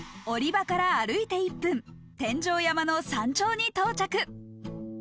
降り場から歩いて１分、天上山の山頂に到着。